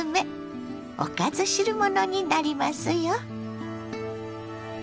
おかず汁物になりますよ。